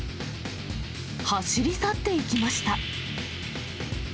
走り去っていきました。